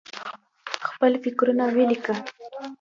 خپل فکرونه ولیکه.